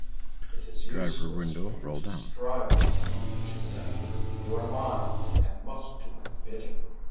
"It is useless for you to strive with me," she said; "you are mine, and must do my bidding."